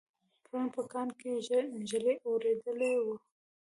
پرون په کاڼ کې ږلۍ اورېدلې وه